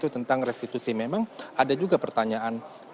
tentang restitusi memang ada juga pertanyaan